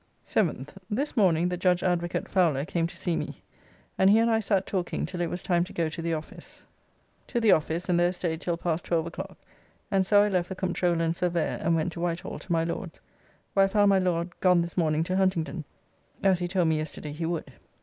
7th. This morning the judge Advocate Fowler came to see me, and he and I sat talking till it was time to go to the office. To the office and there staid till past 12 o'clock, and so I left the Comptroller and Surveyor and went to Whitehall to my Lord's, where I found my Lord gone this morning to Huntingdon, as he told me yesterday he would.